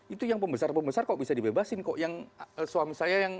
itu yang pembesar pembesar kok bisa dibebasin kok yang suami saya yang